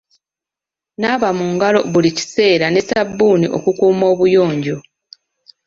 Naaba mu ngalo buli kiseera ne sabbuuni okukuuma obuyonjo.